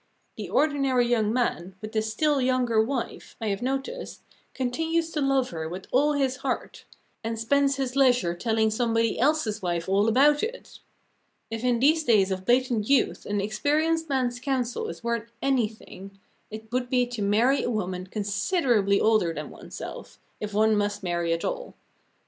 The ordinary young man, with the still younger wife, I have noticed, continues to love her with all his heart and spends his leisure telling somebody else's wife all about it. If in these days of blatant youth an experienced man's counsel is worth anything, it would be to marry a woman considerably older than oneself, if one must marry at all.